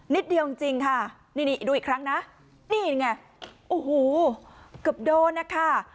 นิดเดียวจริงค่ะนี่นี่ดูอีกครั้งนะนี่ไงโอ้โหเกือบโดนนะคะ